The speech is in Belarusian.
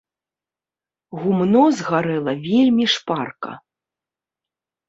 Гумно згарэла вельмі шпарка.